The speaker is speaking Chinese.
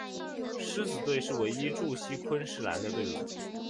狮子队是唯一驻锡昆士兰的队伍。